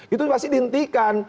itu pasti dihentikan